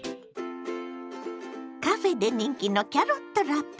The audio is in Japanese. カフェで人気のキャロットラペ。